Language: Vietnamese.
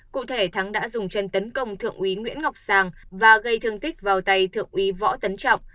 cụ thể thắng đã dùng chân tấn công thượng úy nguyễn ngọc sang và gây thương tích vào tay thượng úy võ tấn trọng